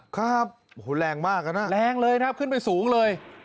ครับโอ้โหแรงมากนะแรงเลยครับขึ้นไปสูงเลย